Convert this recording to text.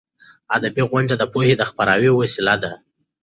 ادبي غونډې د پوهې د خپراوي وسیله ده.